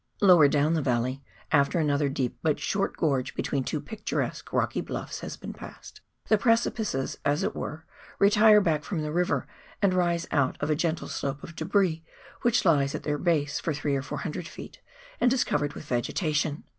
Lower down the valley, after another deep but short gorge between two picturesque rocky blufEs has been passed, the precipices, as it were, retire back from the river, and rise out of a gentle slope of debris which lies at their base for three or four hundred feet, and is covered with vegetation.